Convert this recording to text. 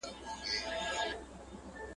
زه به د خپلو زده کړو په هکله اوږدمهالی فکر وکړم.